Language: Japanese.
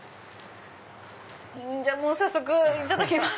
じゃあ早速いただきます。